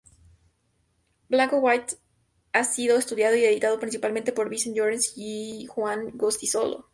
Blanco White ha sido estudiado y editado principalmente por Vicente Llorens y Juan Goytisolo.